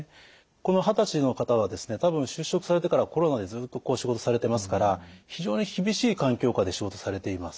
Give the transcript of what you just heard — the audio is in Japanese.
この二十歳の方はですね多分就職されてからコロナでずっと仕事されてますから非常に厳しい環境下で仕事されています。